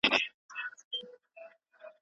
دولت به د اقتصاد د پياوړتيا لپاره تګلاره غوره کړي.